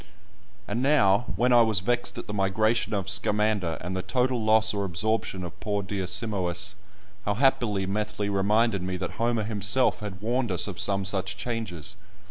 And now, when I was vexed at the migration of Scamander, and the total loss or absorption of poor dear Simois, how happily Methley reminded me that Homer himself had warned us of some such changes!